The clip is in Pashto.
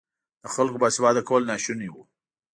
د خلکو باسواده کول ناشوني وو.